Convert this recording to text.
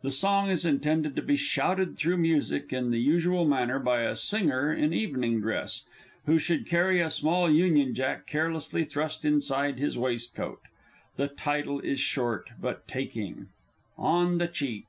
The song is intended to be shouted through music in the usual manner by a singer in evening dress, who should carry a small Union Jack carelessly thrust inside his waistcoat. The title is short but taking: ON THE CHEAP!